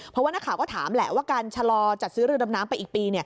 เพราะว่านักข่าวก็ถามแหละว่าการชะลอจัดซื้อเรือดำน้ำไปอีกปี